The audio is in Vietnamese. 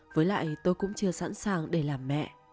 với lại tôi cũng chưa sẵn sàng để làm mẹ